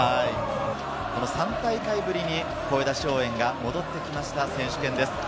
３大会ぶりに声出し応援が戻ってきました、選手権です。